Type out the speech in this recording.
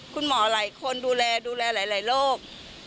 คุณหมอหลายคนดูแลดูแลหลายโรค